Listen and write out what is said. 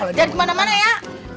jangan ke mana mana ya